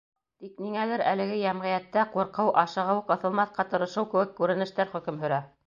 Тик ниңәлер әлеге йәмғиәттә ҡурҡыу, ашығыу, ҡыҫылмаҫҡа тырышыу кеүек күренештәр хөкөм һөрә.